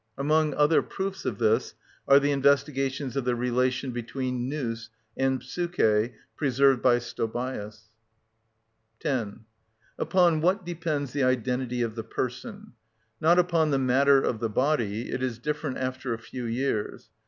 Among other proofs of this are the investigations of the relation between νους and ψυχη preserved by Stobæus (Ecl., Lib. i. c. 51, § 7, 8). 10. Upon what depends the identity of the person? Not upon the matter of the body; it is different after a few years.